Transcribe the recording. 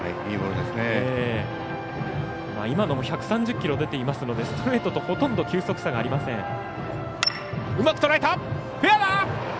今のも１３０キロ出ていますのでストレートとほとんど球速差がありません。